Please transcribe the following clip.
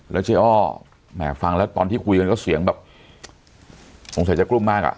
แล้วเจ๊อ้อแหมฟังแล้วตอนที่คุยกันก็เสียงแบบสงสัยจะกลุ้มมากอ่ะ